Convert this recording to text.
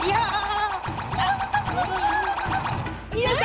よいしょ！